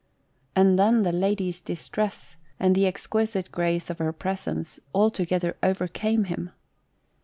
And then the lady's distress, and the exquisite grace of 87 GHOST TALES. her presence, altogether overcame him.